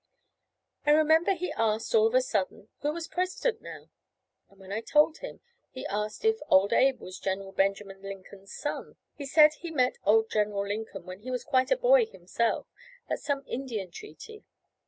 I remember he asked, all of a sudden, who was President now; and when I told him, he asked if Old Abe was General Benjamin Lincoln's son. He said he met old General Lincoln, when he was quite a boy himself, at some Indian treaty.